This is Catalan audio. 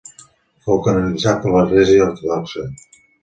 Fou canonitzat per l'Església Ortodoxa.